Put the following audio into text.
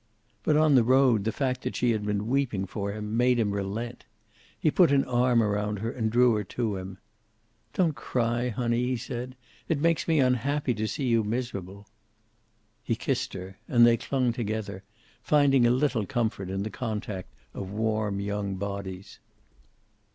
But on the road the fact that she had been weeping for him made him relent. He put an arm around her and drew her to him. "Don't cry, honey," he said. "It makes me unhappy to see you miserable." He kissed her. And they clung together, finding a little comfort in the contact of warm young bodies.